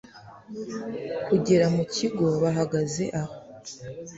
kugera mukigo bahagaze aho